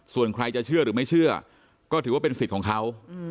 ส่วนใครจะเชื่อหรือไม่เชื่อก็ถือว่าเป็นสิทธิ์ของเขา